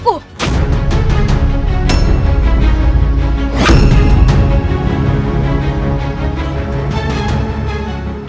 aku akan menghentikan ayahku